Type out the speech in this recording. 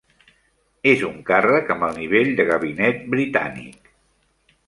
És un càrrec amb el nivell de gabinet britànic.